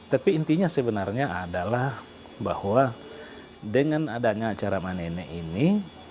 tapi intinya sebenarnya adalah bahwa dengan adanya acara manenek ini